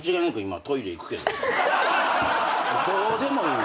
どうでもいい。